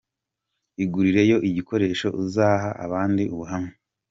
Igurire yo igikoresho uzaha abandi ubuhamya.